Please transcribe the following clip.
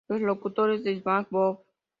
Los locutores de SmackDown!